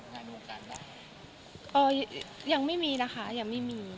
มีงานติดต่อไม่จริงพี่ป้าป้าทำงานวงการ